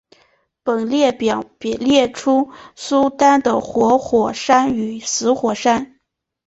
本列表列出苏丹的活火山与死火山。